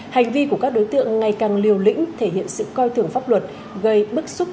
hành vi của các đối tượng ngày càng liều lĩnh thể hiện sự coi thường pháp luật